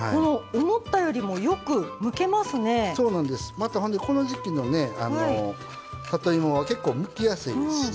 またほんでこの時期のね里芋は結構むきやすいですしね。